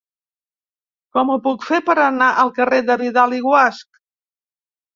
Com ho puc fer per anar al carrer de Vidal i Guasch?